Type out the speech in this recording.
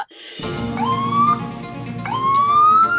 ia ia ia